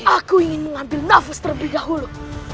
aku ingin mengambil nafas terlebih dahulu